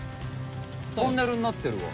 トンネルになってるわ。